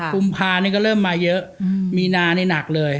กุมภาอีกวก็เยอะแล้วมีนานี่หนักเลย